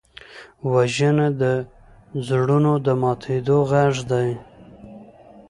وژنه د زړونو د ماتېدو غږ دی